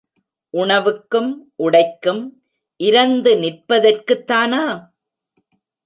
உணவுக்கும் உடைக்கும் இரந்து நிற்பதற்குத்தானா?